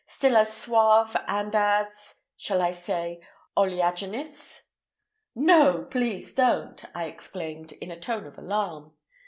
Still as suave and as—shall I say oleaginous?" "No, please don't!" I exclaimed in a tone of alarm.